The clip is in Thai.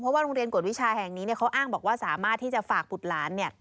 เพราะว่าโรงเรียนกวดวิชาแห่งนี้เขาอ้างบอกว่าสามารถที่จะฝากบุตรหลานเนี่ย